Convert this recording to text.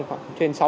khoảng trên sáu